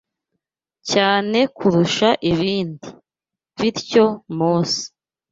cyane kurusha ibindi, bityo Mose